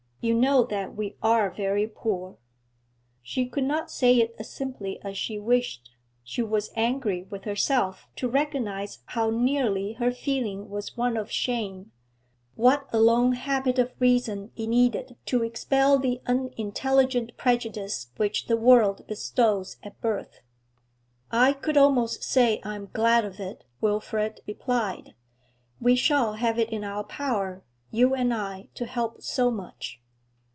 'You know that we are very poor.' She could not say it as simply as she wished; she was angry with herself to recognise how nearly her feeling was one of shame, what a long habit of reason it needed to expel the unintelligent prejudice which the world bestows at birth. 'I could almost say I am glad of it,' Wilfrid replied. 'We shall have it in our power, you and I, to help so much.'